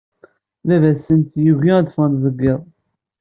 Baba tsn yagi ad ffɣnt g yiḍ